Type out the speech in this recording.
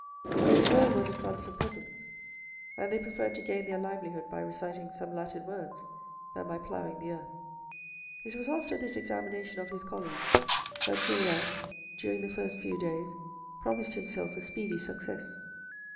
Nearly all were the sons of peasants, and they preferred to gain their livelihood by reciting some Latin words than by ploughing the earth. It was after this examination of his colleagues that Julien, during the first few days, promised himself a speedy success.